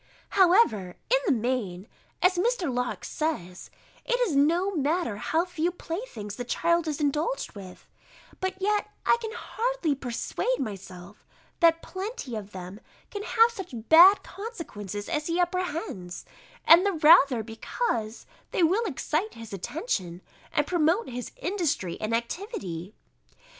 However, in the main, as Mr. Locke says, it is no matter how few playthings the child is indulged with; but yet I can hardly persuade myself, that plenty of them can have such bad consequences as he apprehends; and the rather, because they will excite his attention, and promote his industry and activity.